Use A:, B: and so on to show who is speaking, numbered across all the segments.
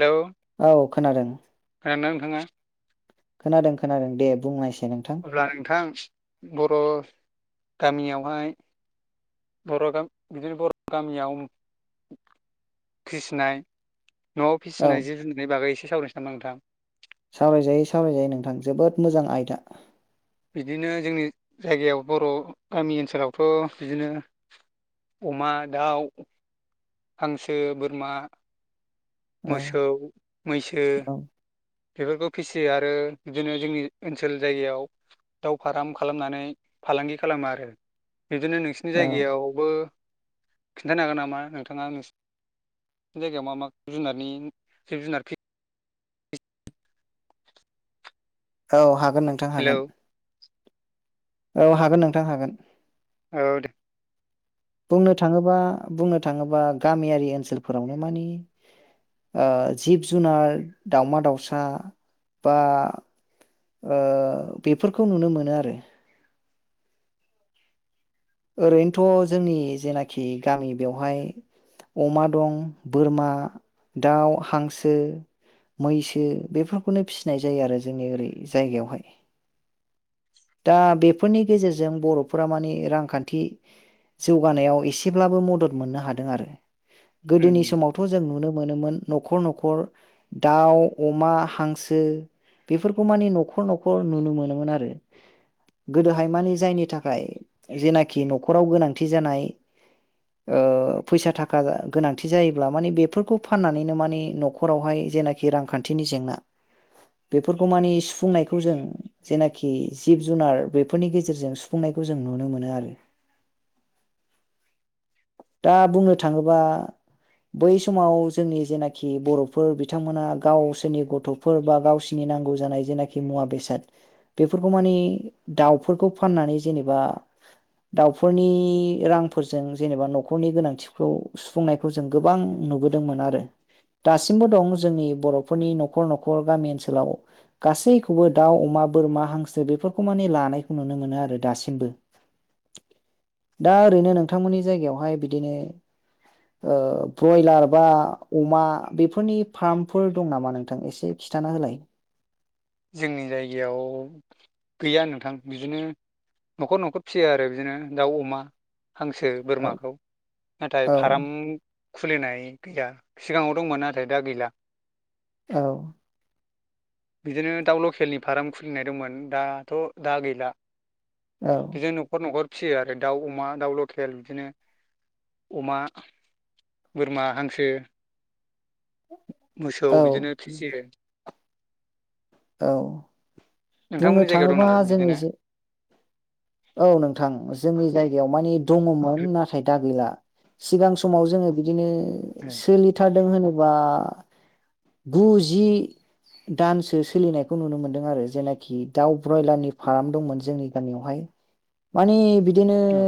A: Hello.
B: औ खोनादों।
A: नोंथाङा
B: खोनादों खोनादों दे बुंनायस
A: अब्ला नोंथां बर' गामियावहाय बर' गामि बिदिनो बर' गामियाव खिसिनाय। न'आव
B: औ
A: फिसिनाय जिब जुननाय बागै एसे सावरायनोसै नामा नोंथां।
B: सावरायजायो सावरायजायो नोंथां जोबोद मोजां आयदा।
A: बिदिनो जोंनि जायगायाव बर' गामि ओनसोलावथ' बिदिनो अमा, दाउ, हांसो, बोरमा,
B: औ
A: मोसौ, मैसो
B: औ
A: बेफोरखौ फिसियो आरो बिदिनो जोंनि ओनसोल जायगायाव दाउ फाराम खालामनानै फालांगि खालामो आरो बिदिनो नोंसिनि
B: औ
A: जायगायावबो खिन्थानो हागोन नामा नोंथाङा? जायगायाव मा माब जुनारनि जिब जुनार फि
B: औ हागोन नोंथां
A: हेलौ
B: हागोन। औ हागोन नोंथां हागोन।
A: औ दे।
B: बुंनो थाङोबा बुंनो थाङोबा गामियारि ओनसोलफोरावनो मानि ओ जिब जुनार दाावमा दाउसा बा ओ बेफोरखौ नुनो मोनो आरो। ओरैनोथ' जोंनि जेनाखि गामि बेवहाय अमा दं बोरमा, दाउ, हांसो, मैसो बेफोरखौनो फिसिनाय जायो आरो जोंनि ओरै जायगायावहाय। दा बेफोरनि गेजेरजों बर'फोरा माने रांखान थि जौगानायाव एसेब्लाबो मदद मोननो हादों आरो।
A: उम
B: गोदोनि समावथ' जों नुनो मोनोमोन। न'खर न'खर दाउ, अमा, हांसो बेफोरखौ माने न'खर न'खर नुनो मोनोमोन आरो। गोदोहायमानि जायनि थाखाय जेनाखि न'खराव गोनांथि जानाय ओ फैसा थाखा गोनांथि जायोब्ला माने बेफोरखौ फाननानैनो माने न'खरावहाय जेनाखि रांखान्थिनि जेंना बेफोरखौ मानि सुफुंनायखौ जों जेनाखि जिब जुनार बेफोरनि गेजेरजों सुफुंनाय खौ जों नुनो मोनो आरो।
A: [inaudible]
B: दा बुंनो थाङोबा बै समाव जोंनि जेनाखि बर'फोर बिथांमोना गावसोरनि गथ'फोर बा गावसिनि नांगौ जानाय जेनाखि मुवा बेसाद बेफोरखौ मानि दाउफोरखौ फाननानै जेनेबा
A: [inaudible]
B: दाउफोरनि रांफोरजों जेनेबा न'खरनि गोनांथिखौ सुफुंनायखौ जों गोबां नुबो दोंमोन आरो। दासिमबो दं जोंनि बर'फोरनि न'खर न'खर गामि ओनसोलाव गासैखौबो दाउ, अमा बोरमा, हांसो बेफोरखौ मानिे लानायखौ नुनो मोनो आरो दासिमबो।
A: [inaudible]
B: दा ओरैनो नोंथांमोननि जायगायावहाय बिदिनो ओ ब्रयलार बा अमा बेफोरनि फार्मफोर दं नामा नोंथां एसे खिथाना होलाय।
A: जोंनि जायगायाव गैया नोंथां बिदिनो न'खर न'खर फिसियो आरो बिदिनो दाउ, अमा हांसो,
B: औ
A: बोरमाखौ नाथाय
B: औ
A: फार्म खुलिनाय गैया सिगाङाव दंमोन नाथाय दा गैला।
B: औ
A: बिदिनो दाउ लकेलनि फार्म खुलिनाय दंमोन दाथ' दा गैला
B: औ
A: बिदिनो न'खर न'खर फिसियो आरो दाउ अमा दाउ लकेल बिदिनो अमा बोरमा हांसो मोसौ
B: औ
A: बिदिनो फिसियो
B: औ बुंनो
A: नोंथांमोननि जायगायाव दं
B: थांङोबा
A: नामा
B: जोंनि
A: बिदिनो
B: औ नोंथां जोंनि जायगायाव मानि दंङमोन नाथाय दा गैला सिगां समाव जोंङो बिदिनो सोलिथारदों होनोबा गुजि दानसो सोलिनायखौ नुनो मोनदों आरो जेनाखि दाउ ब्रयलारनि फार्म दंमोन जोंनि गामियावहाय मानने बिदिनो
A: औ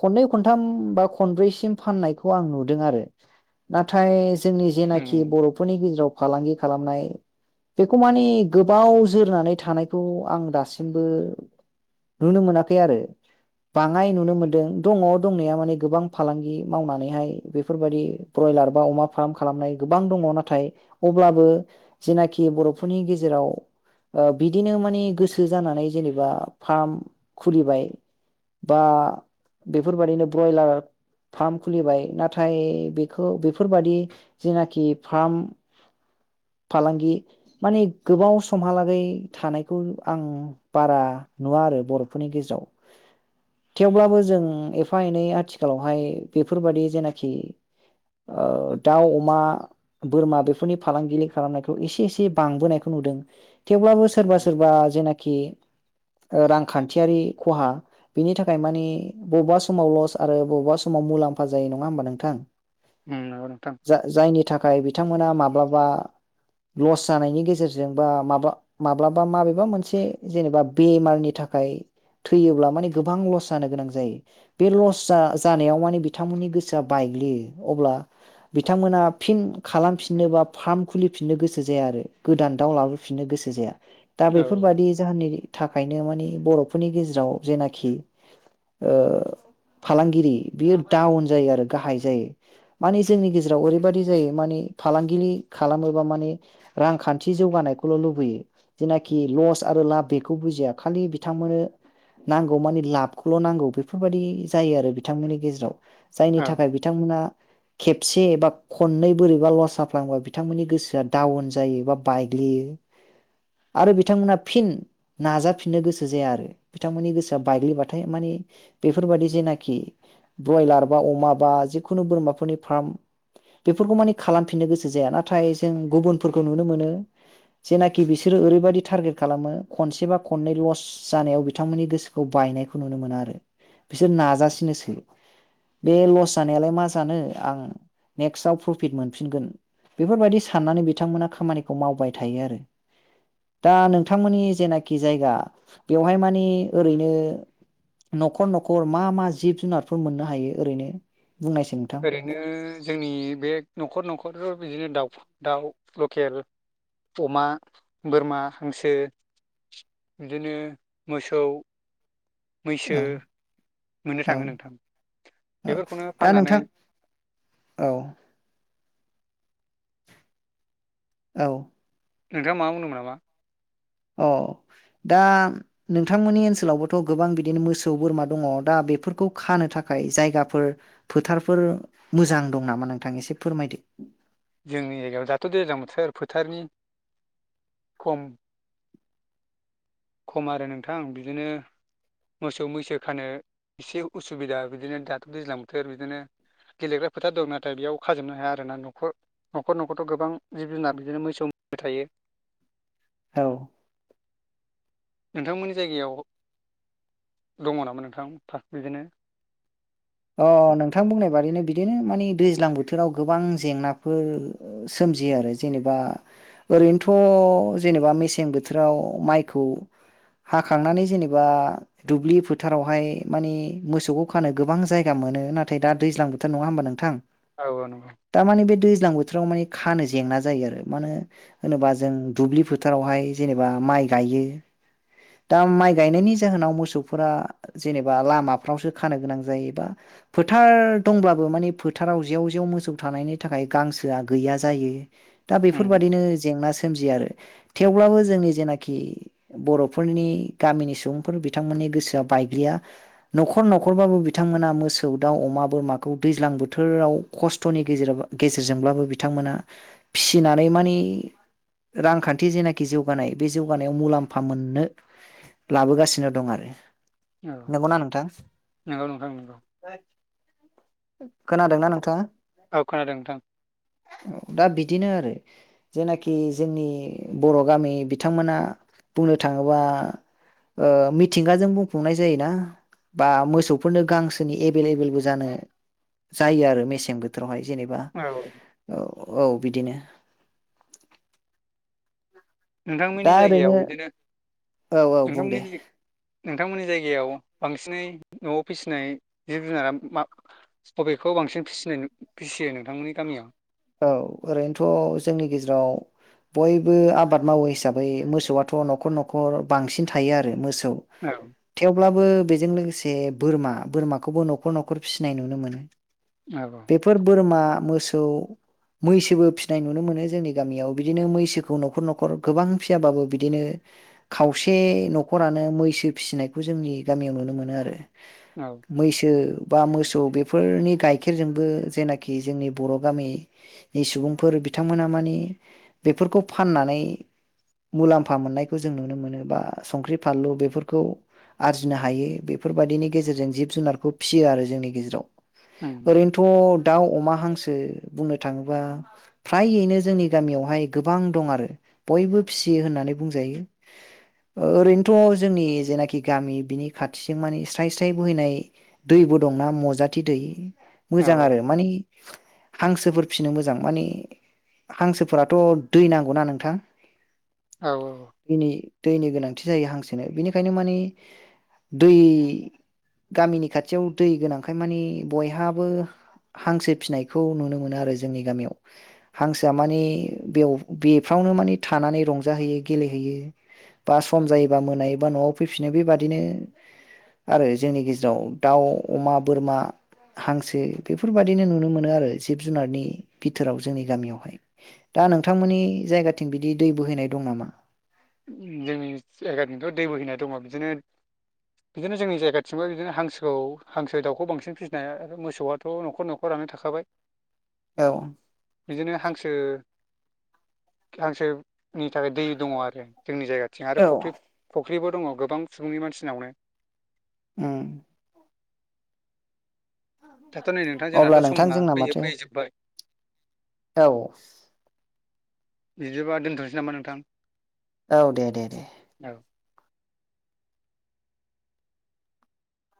B: खननै खनथाम बा खनब्रैसिम फाननायखौ आं नुदों आरो नाथाय जोंनि जेनाखि
A: उम
B: बर'फोरनि गेजेराव फालांगि खालामनाय बेखौ माने गोबाव जोरनानै थानायखौ आं दासिमबो नुनो मोनाखै आरो बांङाय नुनो मोनदों दंङ दंनाया माने गोबां फालांगि मावनानैहाय बेफोरबायदि बयलार बा अमा फार्म खालामनाय गोबां दंङ नाथाय अब्लाबो जेनाखि बर'फोरनि गेजेराव बिदिनो माने गोसो जानानै जेनेबा फार्म खुलिबाय बा बेफोर बायदिनो ब्रयलार फार्म खुलिबाय नाथाय बेखौ बेफोरबादि जेनाखि फार्म
A: [inaudible]
B: फालांगि माने गोबाव समहालागै थानायखौ आं बारा नुवा आरो बर' फोरनि गेजेराव थेवब्लाबो जों एफा एनै आथिखालावहाय बेफोरबायदि जेनाखि ओ दाउ अमा बोरमा बेफोरनि फालांगि खालामनायखौ एसे एसे बांबोनायखौ नुदों थेवब्लाबो सोरबा सोरबा जेनाखि रां खान्थियारि खहा बिनि थाखाय माने बबेबा समाव लस आरो बबेबा समाव मुलाम्फा जायो नोंथां
A: उम नंगौ नोंथां
B: जायनि थाखाय बिथांमोना माब्लाबा लस जानायनि गेजेरजों बा माबा माब्लाबा माबेबा मोनसे जेनेबा बेमारनि थाखाय खाय थैयोब्ला माने गोबां लस जानो गोनां जायो बे लस जानायाव माने बिथांमोननि गोसोआ बाय गोग्लैयो अब्ला बिथांमोना फिन खालामफिननो बा फार्म खुलिफिननो गोसो जाया आरो गोदान दाउ लाबोफिननो गोसो जाया दा
A: औ
B: बेफोरबादि जाहोननि थाखायनो मानि बर'फोरनि गेजेराव जेनाखि फालांगिरि बियो डाउन जायो आरो गाहाय जायो माने जोंनि गेजेराव ओरैबादि जायो मानि फालांगि खालामोबोबा मान रांखान्थि जौगानायखौल' लुबैयो आरो लाब बेखौ बुजिया खालि बिथांमोननो नांगौ मानि लाबखौल' नांगौ बेफोरबायाददि जायो आरो बिथांमोननि गेजेराव जायनि
A: औ
B: थाखाय बिथांमोना खेबसे एबा खननै बोरैबा लस जाफ्लाङोबा बिथांमोननि गोसोआ डाउन जायो बा बायग्लियो
A: [inaudible]
B: आरो बिथांमोना फिन नाजाफिननो गोसो गोसो जाया आरो बिथांमोननि गोसोआ बायग्लिबाथाय माने बेफोर बायदि जेनाखि ब्रयलार बा अमा बा जिखुनु बोरमाफोरनि फार्म बेफोरखौ मानि खालामफिननो गोसो जाया नाथाय जों गुबुनफोरखौ नुनो मोनो जेनाखि बिसोरो ओरैबायाददि टारगेट खालामो खनसे बा खननै लस जानायाव बिथांमोननि गोसोखौ बायनायखौ नुनो मोना आरो बिसोर नाजासिनोसै बे लस जानायालाय मा जानो आं नेक्स्टाव प्रफिट मोनफिनगोन बेफोरबायदि साननानै बिथांमोना खामानिखौ मावबाय थायो आरो दा नोंथांमोननि जेनाखि जायगा बेवहाय माने ओरैनो न'खर न'खर मा मा जिब जुनारफोर मोननो हायो ओरैनो? बुंनायसै नोंथां
A: ओरैनो जोंनि बे न'खर न'खर बिदिनो दाउ दाउ लकेल अमा, बोरमा, हांसो। बिदिनो मोसौ, मैसो
B: औ
A: मोननो
B: औ
A: थाङो नोंथां।
B: औ
A: बेफोरखौनो
B: दा
A: फाननानै
B: नोंथां औ औ।
A: नोंथाङा माबा बुंदोंमोन नामा?
B: अह। दा नोंथांमोननि ओनसोलावबोथ' गोबां बिदिनो मोसौ, बोरमा दङ, दा बेफोरखौ खानो थाखाय जायगाफोर, फोथारफोर मोजां दं नामा नोंथां एसे फोरमायदो।
A: जोंनि जायगायाव दाथ' दैज्लां बोथोर फोथारनि खम खम आरो नोंथां। बिदिनो मोसौ मैसो खानो एसे उसुबिदा बिदिनो दाथ' दैज्लां बोथोर, बिदिनो गेलेग्रा फोथार दं। नाथाय बेयाव खाजोबनो हाया आरो ना। न'खर न'खर न'खरथ' गोबां जिब जुनार बिदिनो मोसौ मो थायो।
B: औ।
A: नोंथांमोननि जायगायाव दङ नामा नोंथां था बिदिनो?
B: अह नोंथां बुंनाय बादिनो बिदिनो माने दैज्लां बोथोराव गोबां जेंनाफोर सोम जियो आरो जेनेबा ओरैनोथ' जेनेबा मेसें बोथोराव माइखौ हाखांनानै जेनेबा दुब्लि फोथारावहाय माने मोसौखौ खानो गोबां जाय गा मोनो। नाथाय दा दैज्लां बोथोर, नङा होमबा नोंथां?
A: औ औ नंगौ
B: दा माने बे दै ज्लां बोथोराव माने खानो जेंना जायो आरो। मानो होनोबा जों दुब्लि फोथारावहाय जेनेबा माइ गायो। दा माइ गायनायनि जाहोनाव मोसौफोरा जेनेबा लामाफ्रावसो खानो गोनां जायो बा फोथार दंब्लाबो माने फोथाराव जेव जेव मोसौ थानायनि थाखाय गांसोआ गैया जायो। दा
A: उम
B: बेफोरबादिनो जेंना सोमजियो आरो। थेवब्लाबो जोंनि जेनाखि बर'फोरनि गामिनि सुबुंफोर बिथांमोननि गोसोआ बायग्लिया, न'खर न'खरबाबो बिथांमोना मो सौ, दाउ, अमा, बोरमाखौ दैज्लां बोथोराव खस्थ'नि गेजेराव गेजेरजोंब्लाबो बिथांमोना फिसिनानै माने रांखान्थि जेनाखि जौगानाय, बे जौगानायाव मुलाम्फा मोननो लाबोगासिनो दं आरो।
A: औ
B: नंगौना नोंथां
A: नंगौ नोंथां नंगौ।
B: खोनादोंना नोंथाङा?
A: औ खोनादों नोंथां
B: औ दा बिदिनो आरो। जेनाखि जोंनि बर' गामि बिथांमोना बुंनो थाङोबा ओ मिथिंगाजों बुंफुंनाय जायोना बा मोसौफोरनो गां सोनि एभेलेबेलबो जानो, जायो आरो मेसें बोथोरावहाय जेनेबा।
A: औ
B: औ बिदिनो।
A: नोंथांमोननि
B: दा ओरैनो
A: जायगायाव बिदिनो
B: औ औ बुं दे
A: नोंथांमोननि जाय नोंथांमोननि जाय गायाव बांसिनै न'आव फिसिनाय जिब जुनारा मा बबेखौ बांसिन फिसिनाय फिसियो नोंथांमोननि गामियाव?
B: औ, ओरैनोथ' जोंनि गेजेराव बयबो आबाद मावो हिसाबै मोसौआथ' न'खर न'खर बांसिन थायो आरो मो औ थेवब्लाबो बेजों लोगोसे बोरमा, बोरमाखौबो न'खर न'खर फिसिनाय नुनो मोनो।
A: औ
B: बेफोर बोरमा, मोसौ मैसोबो फिनाय नुनो मोनो जोंनि गामियाव। बिदिनो मैसोखौ न'खर न'खर गोबां फियाबाबो बिदिनो खावसे न'खरानो मैसो फिसिनायखौ जोंनि गामियाव नुनो मोनो आरो।
A: औ
B: मैसो बा मोसौ बेफोरनि गाइखेरजोंबो जेनाखि जोंनि बर' गामि सुबुंफोर बिथांमोनहा माने बेफोरखौ फाननानै मुलाम्फा मोननायखौ जों नुनो मोनो बा संख्रि फानलु बेफोरखौ आरजिनो हायो बेफोरबादिनि गेजेरजों जिब जुनारखौ फिसियो आरो जोंनि गेजेराव
A: उम
B: ओरैनोथ' दाउ अमा हांसो बुंनो थाङोबा फ्रायैनो जोंनि गामियावहाय गोबां दं आरो बयबो फिसियो होननानै बुंजायो ओ ओरैनोथ' जोंनि जेनाखि गामि बिनि खाथिजों मानि स्राय स्राय बोहैनाय दै बो दंना मजाथि दै
A: औ
B: मोजां आरो मानि हांसोफोर फिसिनो मोजां माने हांसोफोराथ' दै नांगौना नोंथां।
A: औ
B: दैनि दैनि गोनांथि जायो हांसनो बेनिखायनो मानि दै गामिनि खाथियाव दै गोनांखाय माने बयहाबो हांसो फिनाय बेखौ नुनो मोनो आरो जोंनि गामियाव हांसोआ माने बेयाव बेफ्रावनो माने थानानै रंजाहैयो गेलेहैयो बा सम जायोबा मोनायो बा न'आव फैफिनो बेबादिनो आरो जोंनि गेजेराव दाउ अमा बोरमा हांसो बेफोरबादिनो नुनो मोनो जिब जुनारनि बिथोरावहाय दा नोंथांमोननि जायगाथिं बिदि दै बोहै बोहैनाय दं नामा?
A: जोंनि जायगानिथ' दै बोहैनाय दङ बिदिनो बिदिनो जोंनि जायगाथिंबो बिदिनो हांसोखौ हांसो दाउखौ बांसिन फिसिनो हाया आरो मोसौआथ' नखर नखराव थाखाबाय
B: औ
A: बिदिनो हांसो हांसोनि थाखाय दै दङ आरो जोंनि जायगाथिं आरो
B: औ
A: फुख्रि फख्रिबो दङ गोबां सुबुंनि मानसिनावनो
B: ओम।
A: दाथ' नै नोंथां
B: अब्ला
A: जोंनाथ'
B: नोंथां
A: समना
B: जोंना
A: फैयै
B: माथो
A: फैयै जोबबाय
B: औ
A: बिदिबा दोनथ'नोसै नामा नोंथां
B: औ दे दे दे
A: औ